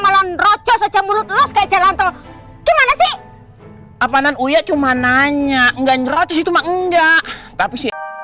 apaanan uya cuma nanya enggak ngerot itu enggak tapi